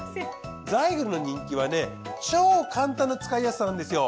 ザイグルの人気は超簡単な使いやすさなんですよ。